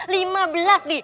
lima belas dih